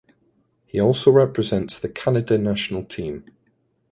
He also represents the Canada national team.